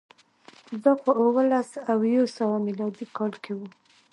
دا په اووه لس او یو سوه میلادي کال کې و